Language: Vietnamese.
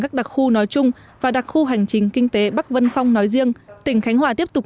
các đặc khu nói chung và đặc khu hành trình kinh tế bắc vân phong nói riêng tỉnh khánh hòa tiếp tục